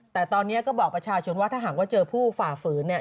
แต่ตอนนี้ก็บอกประชาชนว่าถ้าหากว่าเจอผู้ฝ่าฝืนเนี่ย